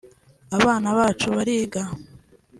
abana bacu bose bariga”